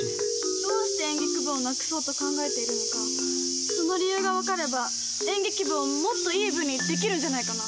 どうして演劇部をなくそうと考えているのかその理由が分かれば演劇部をもっといい部にできるんじゃないかな。